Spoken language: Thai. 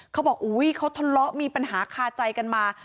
เขาบอกอุ้ยเขาทะเลาะมีปัญหาคาใจกันมา